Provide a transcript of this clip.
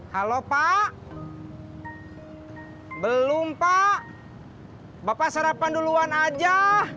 halo pak belum pak bapak sarapan duluan aja